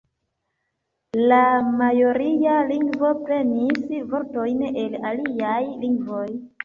La maoria lingvo prenis vortojn el aliaj lingvoj.